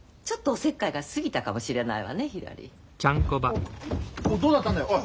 おっどうだったんだよ？